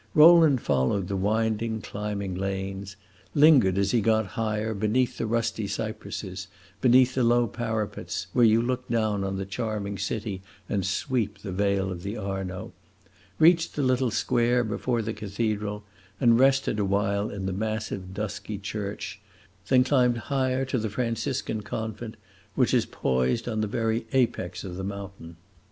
Rowland followed the winding, climbing lanes; lingered, as he got higher, beneath the rusty cypresses, beside the low parapets, where you look down on the charming city and sweep the vale of the Arno; reached the little square before the cathedral, and rested awhile in the massive, dusky church; then climbed higher, to the Franciscan convent which is poised on the very apex of the mountain.